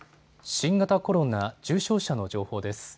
新型コロナ重症者の情報です。